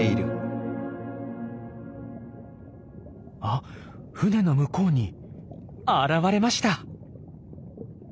あ船の向こうに現れました！